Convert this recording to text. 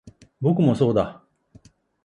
僕もそうだ